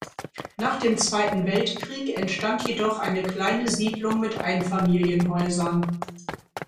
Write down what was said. Nach dem Zweiten Weltkrieg entstand jedoch eine kleine Siedlung mit Einfamilienhäusern.